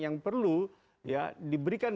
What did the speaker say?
yang perlu diberikan